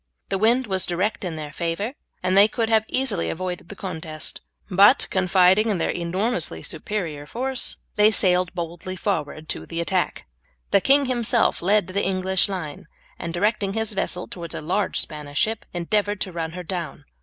The wind was direct in their favour, and they could have easily avoided the contest, but, confiding in their enormously superior force, they sailed boldly forward to the attack. The king himself led the English line, and directing his vessel towards a large Spanish ship, endeavoured to run her down.